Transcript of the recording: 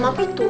emang gitu ya